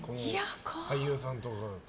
俳優さんとかだと。